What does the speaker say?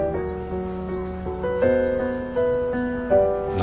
何？